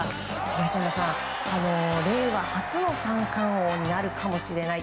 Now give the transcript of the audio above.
東山さん、令和初の三冠王になるかもしれない。